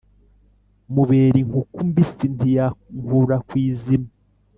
mubera inkuku mbisi ntiyankura ku izima